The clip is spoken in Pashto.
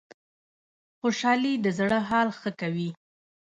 خوشحالي د زړه حال ښه کوي